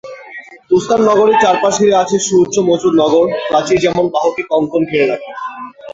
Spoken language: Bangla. তুসতার নগরী চারপাশ ঘিরে আছে সুউচ্চ মজবুত নগর প্রাচীর যেমন বাহুকে কংকন ঘিরে রাখে।